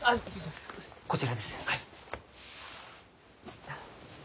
こちらです。